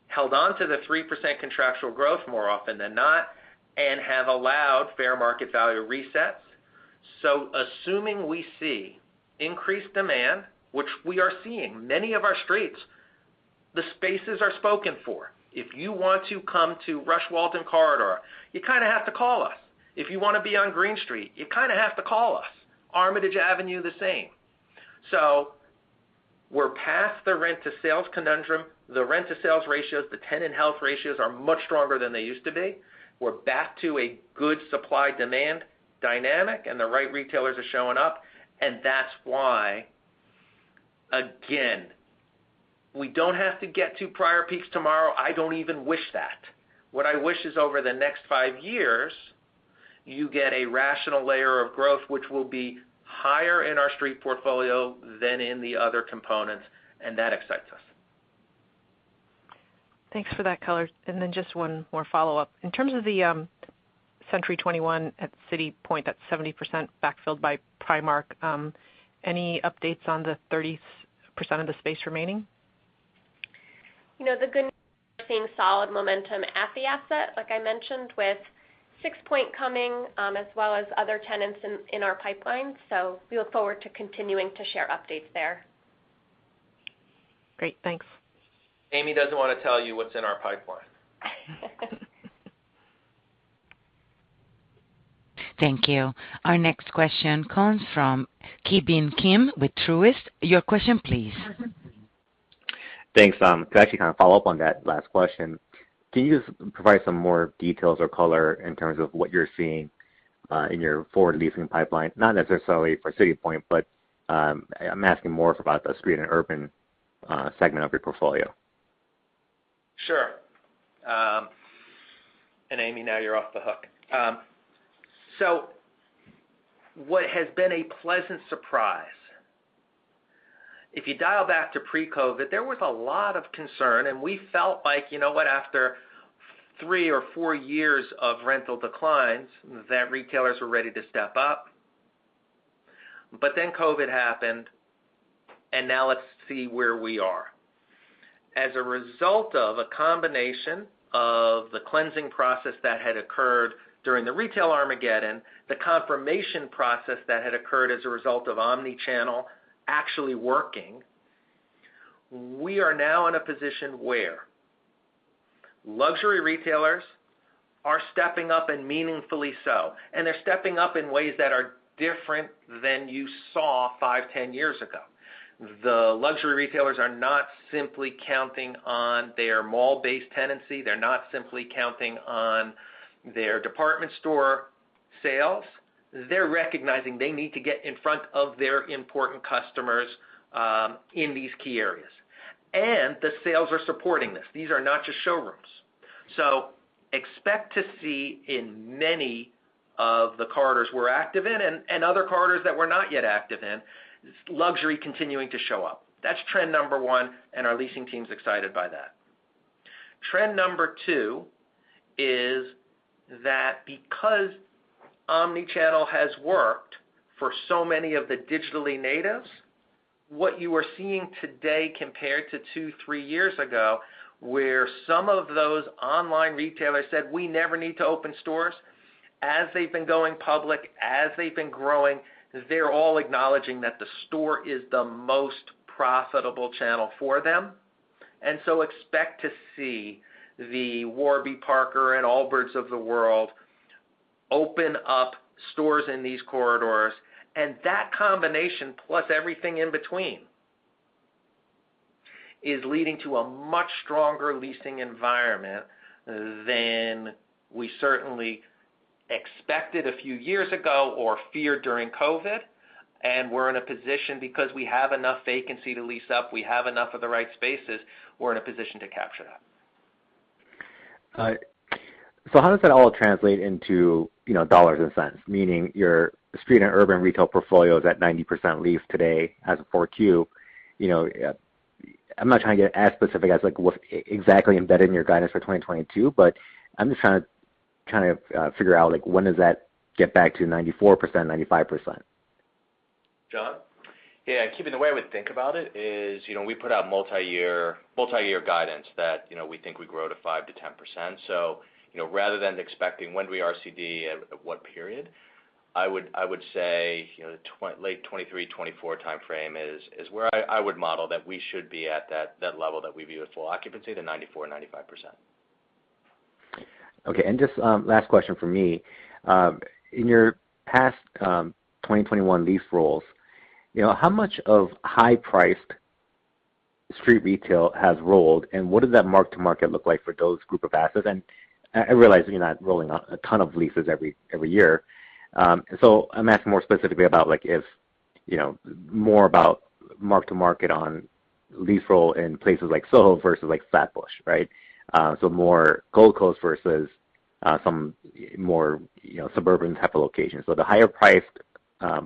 held on to the 3% contractual growth more often than not and have allowed fair market value resets. Assuming we see increased demand, which we are seeing, many of our streets, the spaces are spoken for. If you want to come to Rush Walton Corridor, you kinda have to call us. If you wanna be on Green Street, you kinda have to call us. Armitage Avenue, the same. We're past the rent-to-sales conundrum. The rent-to-sales ratios, the tenant health ratios are much stronger than they used to be. We're back to a good supply-demand dynamic, and the right retailers are showing up. That's why, again, we don't have to get to prior peaks tomorrow. I don't even wish that. What I wish is over the next five years, you get a rational layer of growth, which will be higher in our street portfolio than in the other components, and that excites us. Thanks for that color. Just one more follow-up. In terms of the Century 21 at City Point, that's 70% backfilled by Primark, any updates on the 30% of the space remaining? You know, we're seeing solid momentum at the asset, like I mentioned, with Sixpoint coming, as well as other tenants in our pipeline. We look forward to continuing to share updates there. Great. Thanks. Amy doesn't wanna tell you what's in our pipeline. Thank you. Our next question comes from Ki Bin Kim with Truist. Your question, please. Thanks. To actually kind of follow up on that last question, can you just provide some more details or color in terms of what you're seeing in your forward leasing pipeline? Not necessarily for City Point, but I'm asking more about the street and urban segment of your portfolio. Sure. Amy, now you're off the hook. What has been a pleasant surprise, if you dial back to pre-COVID, there was a lot of concern, and we felt like, you know what, after three or four years of rental declines that retailers were ready to step up. COVID happened, and now let's see where we are. As a result of a combination of the cleansing process that had occurred during the retail Armageddon, the confirmation process that had occurred as a result of omni-channel actually working, we are now in a position where luxury retailers are stepping up and meaningfully so, and they're stepping up in ways that are different than you saw five, 10 years ago. The luxury retailers are not simply counting on their mall-based tenancy. They're not simply counting on their department store sales. They're recognizing they need to get in front of their important customers in these key areas. The sales are supporting this. These are not just showrooms. Expect to see in many of the corridors we're active in and other corridors that we're not yet active in, luxury continuing to show up. That's trend number one, and our leasing team's excited by that. Trend number two is that because omni-channel has worked for so many of the digital natives, what you are seeing today compared to two to three years ago, where some of those online retailers said, we never need to open stores. As they've been going public, as they've been growing, they're all acknowledging that the store is the most profitable channel for them. Expect to see the Warby Parker and Allbirds of the world open up stores in these corridors. That combination plus everything in between is leading to a much stronger leasing environment than we certainly expected a few years ago or feared during COVID. We're in a position because we have enough vacancy to lease up. We have enough of the right spaces, we're in a position to capture that. All right. How does that all translate into, you know, dollars and cents? Meaning, your street and urban retail portfolio is at 90% leased today as of Q4. You know, I'm not trying to get as specific as, like, what exactly embedded in your guidance for 2022, but I'm just trying to kind of figure out, like, when does that get back to 94%, 95%. John? Yeah. Ki Bin the way we think about it is, you know, we put out multi-year guidance that, you know, we think we grow to 5%-10%. Rather than expecting when we RCD at what period, I would say, you know, late 2023, 2024 timeframe is where I would model that we should be at that level that we view as full occupancy to 94%-95%. Okay. Just last question from me. In your past 2021 lease rolls, you know, how much of high-priced street retail has rolled, and what does that mark-to-market look like for those group of assets? I realize you're not rolling out a ton of leases every year. I'm asking more specifically about, like, if, you know, more about mark to market on lease roll in places like Soho versus like Flatbush, right? More Gold Coast versus, some more, you know, suburban type of locations. The higher priced,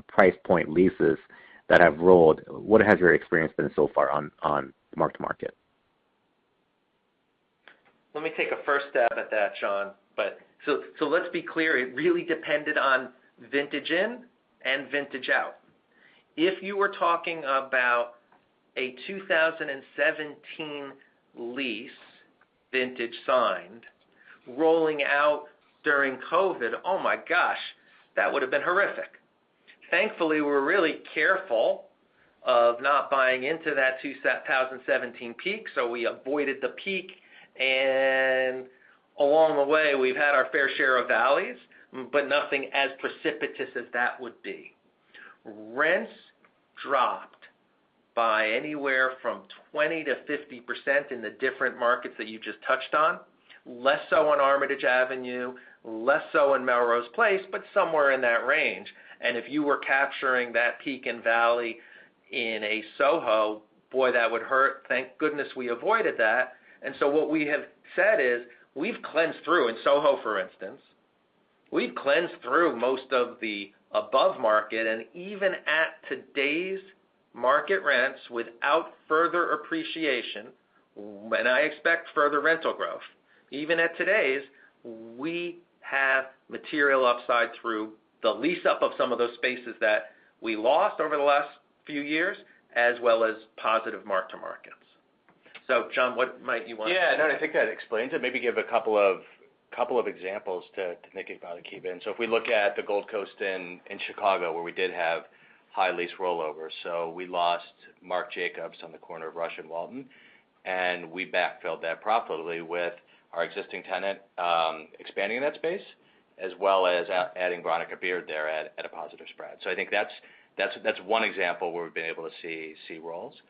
price point leases that have rolled, what has your experience been so far on mark to market? Let me take a first stab at that, John. So let's be clear, it really depended on vintage in and vintage out. If you were talking about a 2017 lease vintage signed rolling out during COVID, oh my gosh, that would've been horrific. Thankfully, we're really careful of not buying into that 2017 peak, so we avoided the peak, and along the way we've had our fair share of valleys, but nothing as precipitous as that would be. Rents dropped by anywhere from 20%-50% in the different markets that you just touched on, less so on Armitage Avenue, less so in Melrose Place, but somewhere in that range. If you were capturing that peak and valley in a Soho, boy, that would hurt. Thank goodness we avoided that. What we have said is we've cleansed through. In SoHo, for instance, we've leased through most of the above market, and even at today's market rents without further appreciation, and I expect further rental growth. Even at today's, we have material upside through the lease up of some of those spaces that we lost over the last few years, as well as positive mark-to-markets. John, what might you want to- Yeah. No, I think that explains it. Maybe give a couple of examples to make it kind of keep in. If we look at the Gold Coast in Chicago, where we did have high lease rollover. We lost Marc Jacobs on the corner of Rush and Walton, and we backfilled that properly with our existing tenant, expanding that space as well as adding Veronica Beard there at a positive spread. I think that's one example where we've been able to see rolls.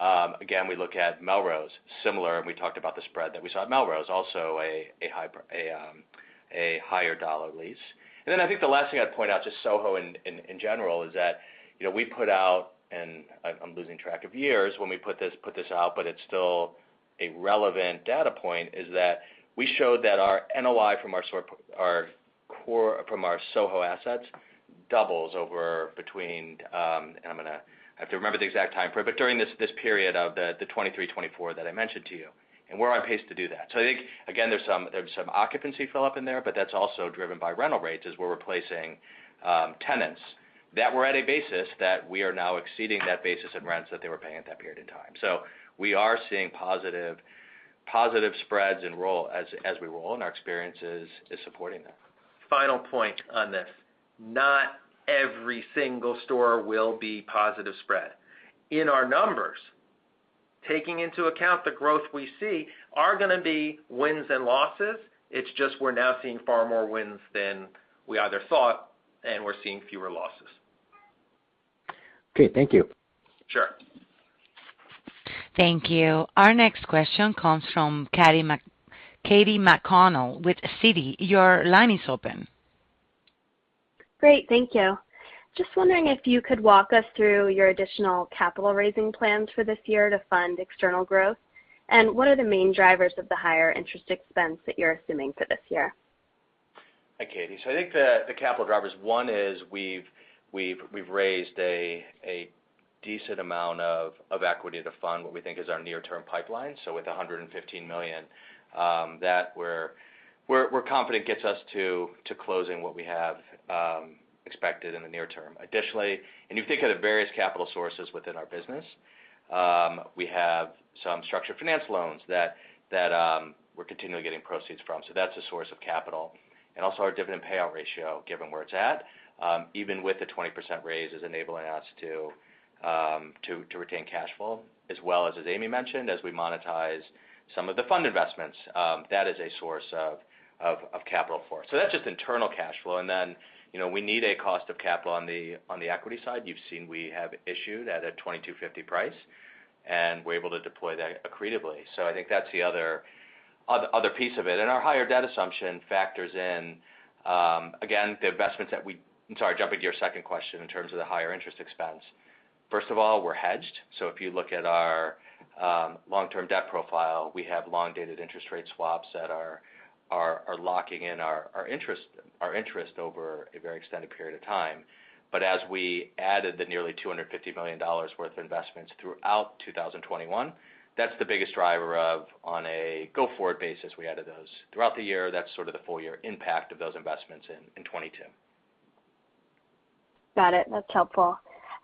Again, we look at Melrose, similar, and we talked about the spread that we saw at Melrose, also a higher dollar lease. I think the last thing I'd point out, just in SoHo in general is that, you know, we put out, and I'm losing track of years when we put this out, but it's still a relevant data point, is that we showed that our NOI from our core SoHo assets doubles over between, and I'm gonna have to remember the exact time frame, but during this period of the 2023-2024 that I mentioned to you, and we're on pace to do that. I think, again, there's some occupancy fill up in there, but that's also driven by rental rates as we're replacing tenants that were at a basis that we are now exceeding that basis of rents that they were paying at that period in time. We are seeing positive spreads and roll as we roll, and our experience is supporting that. Final point on this, not every single store will be positive spread. In our numbers, taking into account the growth we see are gonna be wins and losses. It's just we're now seeing far more wins than we either thought, and we're seeing fewer losses. Okay. Thank you. Sure. Thank you. Our next question comes from Kathleen McConnell with Citi. Your line is open. Great. Thank you. Just wondering if you could walk us through your additional capital raising plans for this year to fund external growth, and what are the main drivers of the higher interest expense that you're assuming for this year? Hi, Katie. I think the capital drivers, one is we've raised a decent amount of equity to fund what we think is our near-term pipeline. With $115 million that we're confident gets us to closing what we have expected in the near term. Additionally, if you think of the various capital sources within our business, we have some structured finance loans that we're continually getting proceeds from. That's a source of capital. Also our dividend payout ratio, given where it's at, even with the 20% raise is enabling us to retain cash flow as well as Amy mentioned, as we monetize some of the fund investments, that is a source of capital for us. That's just internal cash flow. Then, you know, we need a cost of capital on the, on the equity side. You've seen we have issued at a $22.50 price, and we're able to deploy that accretively. I think that's the other piece of it. Our higher debt assumption factors in, again, I'm sorry, jumping to your second question in terms of the higher interest expense. First of all, we're hedged. If you look at our long-term debt profile, we have long-dated interest rate swaps that are locking in our interest over a very extended period of time. As we added the nearly $250 million worth of investments throughout 2021, that's the biggest driver, on a go-forward basis, we added those. Throughout the year, that's sort of the full year impact of those investments in 2022. Got it. That's helpful.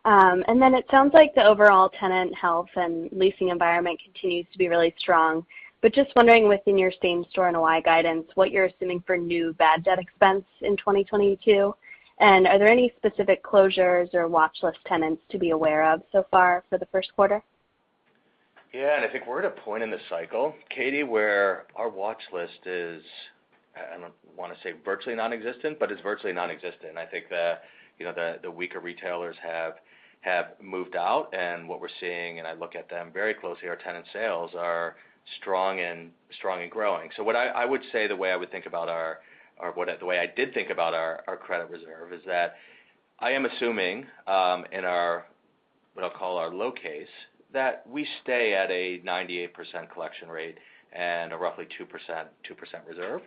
It sounds like the overall tenant health and leasing environment continues to be really strong. Just wondering within your same-store NOI guidance, what you're assuming for new bad debt expense in 2022, and are there any specific closures or watchlist tenants to be aware of so far for the first quarter? Yeah. I think we're at a point in the cycle, Katie, where our watchlist is. I don't wanna say virtually non-existent, but it's virtually non-existent. I think you know the weaker retailers have moved out, and what we're seeing, and I look at them very closely, our tenant sales are strong and growing. What I would say the way I would think about our or what the way I did think about our credit reserve is that I am assuming in what I'll call our low case, that we stay at a 98% collection rate and a roughly 2% reserve.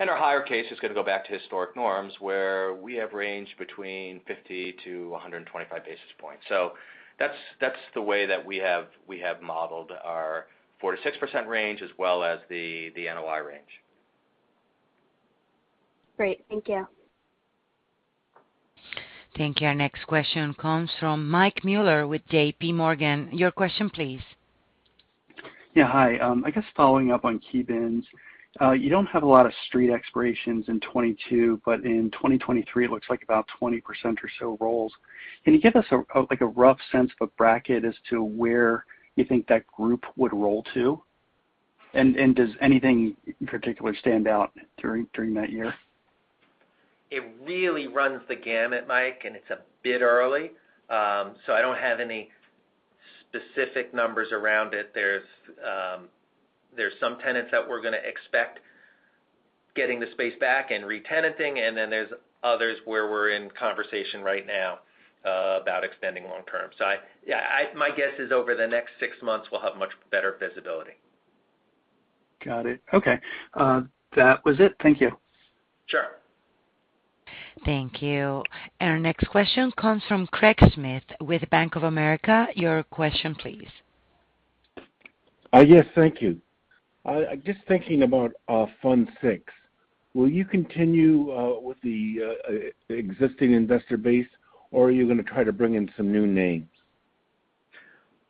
Our higher case is gonna go back to historic norms, where we have ranged between 50-125 basis points. That's the way that we have modeled our 4%-6% range as well as the NOI range. Great. Thank you. Thank you. Our next question comes from Michael Mueller with J.P. Morgan. Your question please. Yeah. Hi. I guess following up on Ki Bin Kim, you don't have a lot of street expirations in 2022, but in 2023, it looks like about 20% or so rolls. Can you give us a, like, a rough sense of a bracket as to where you think that group would roll to? And does anything in particular stand out during that year? It really runs the gamut, Mike, and it's a bit early. I don't have any specific numbers around it. There's some tenants that we're gonna expect getting the space back and re-tenanting, and then there's others where we're in conversation right now about extending long term. My guess is over the next six months, we'll have much better visibility. Got it. Okay. That was it. Thank you. Sure. Thank you. Our next question comes from Craig Schmidt with Bank of America. Your question please. Yes. Thank you. Just thinking about fund six, will you continue with the existing investor base, or are you gonna try to bring in some new names?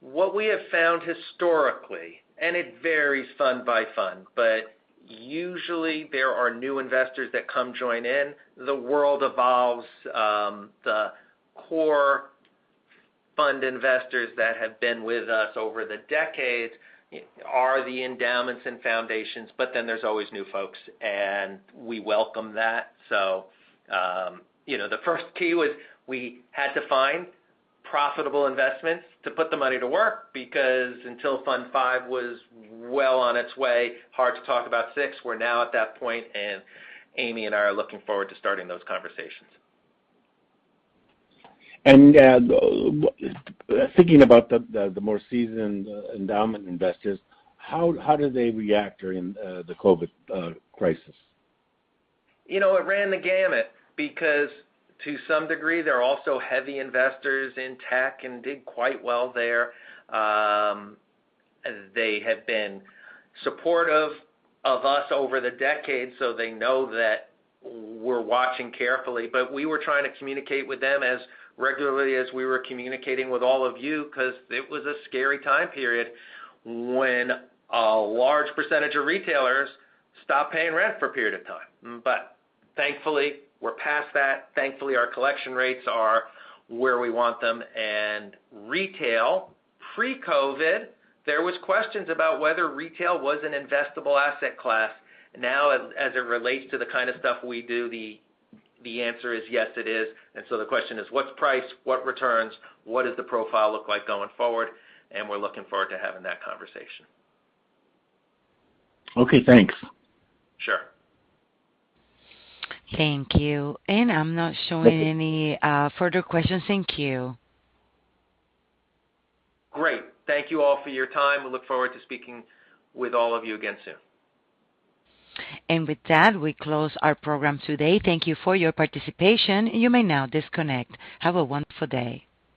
What we have found historically, and it varies fund by fund, but usually there are new investors that come join in. The world evolves, the core fund investors that have been with us over the decades are the endowments and foundations, but then there's always new folks, and we welcome that. You know, the first key was we had to find profitable investments to put the money to work because until fund five was well on its way, hard to talk about six. We're now at that point, and Amy and I are looking forward to starting those conversations. Thinking about the more seasoned endowment investors, how did they react during the COVID crisis? You know, it ran the gamut because to some degree, they're also heavy investors in tech and did quite well there. They have been supportive of us over the decades, so they know that we're watching carefully. We were trying to communicate with them as regularly as we were communicating with all of you because it was a scary time period when a large percentage of retailers stopped paying rent for a period of time. Thankfully, we're past that. Thankfully, our collection rates are where we want them. Retail, pre-COVID, there was questions about whether retail was an investable asset class. Now, as it relates to the kind of stuff we do, the answer is yes, it is. The question is, what's price? What returns? What does the profile look like going forward? We're looking forward to having that conversation. Okay, thanks. Sure. Thank you. I'm not showing any further questions. Thank you. Great. Thank you all for your time. We look forward to speaking with all of you again soon. With that, we close our program today. Thank you for your participation. You may now disconnect. Have a wonderful day.